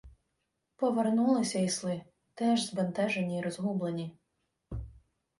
Повернулися й сли, теж збентежені й розгублені: